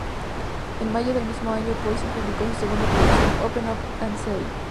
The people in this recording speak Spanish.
En mayo del mismo año, Poison publicó su segunda producción "Open Up and Say...